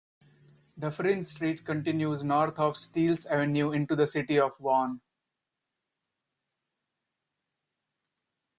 Dufferin Street continues north of Steeles Avenue into the city of Vaughan.